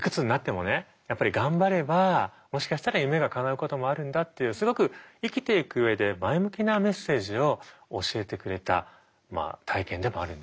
やっぱり頑張ればもしかしたら夢がかなうこともあるんだっていうすごく生きていく上で前向きなメッセージを教えてくれた体験でもあるんですよね。